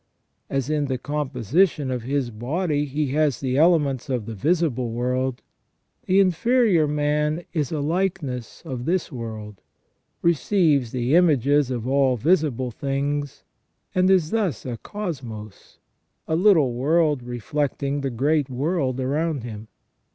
As in the composition of his body he has the elements of this visible world, the inferior man is a likeness of this world, receives the images of all visible things, and is thus a cosmos, a. little world reflecting the great world around him.